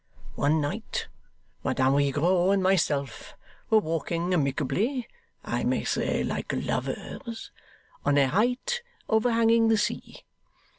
One night, Madame Rigaud and myself were walking amicably I may say like lovers on a height overhanging the sea.